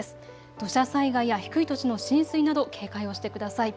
土砂災害や低い土地の浸水など警戒をしてください。